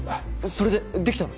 それでできたの？